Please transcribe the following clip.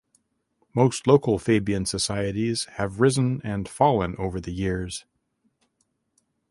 Most local Fabian societies have risen and fallen over the years.